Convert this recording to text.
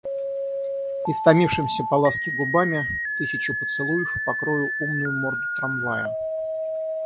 Истомившимися по ласке губами тысячью поцелуев покрою умную морду трамвая.